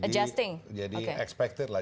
jadi kita masih berharap